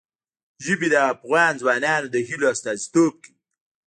ژبې د افغان ځوانانو د هیلو استازیتوب کوي.